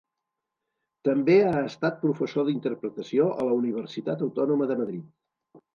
També ha estat professor d'interpretació a la Universitat Autònoma de Madrid.